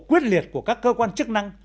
quyết liệt của các cơ quan chức năng